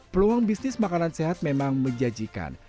peluang bisnis makanan sehat memang menjanjikan